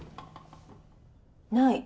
ない。